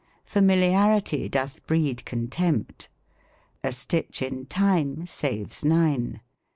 " Familiarity doth breed contempt." " A stitch in time saves nine."